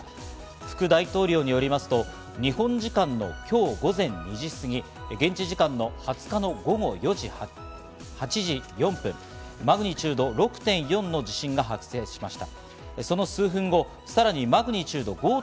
副大統領によりますと、日本時間の今日午前２時すぎ、現地時間の２０日の午後８時４分、マグニチュード６．４の地震が発生しました。